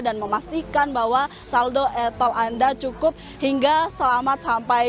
dan memastikan bahwa saldo e tol anda cukup hingga selamat sampai